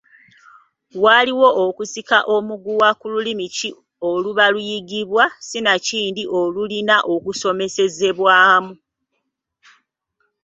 Waaliwo okusika omuguwa ku lulimi ki oluba luyigibwa sinakindi olulina okusomesezebwamu.